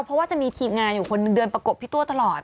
เพราะว่าจะมีทีมงานอยู่คนหนึ่งเดินประกบพี่ตัวตลอด